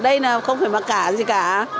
đây là không phải mặt hàng gì cả